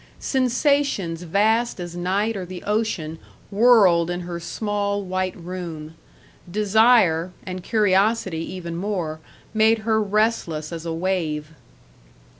Sensations vast as night or the ocean whirled in her small, white room. Desire, and curiosity even more, made her restless as a wave.